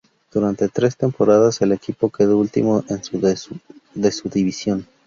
Durante tres temporadas el equipo quedó último de su división.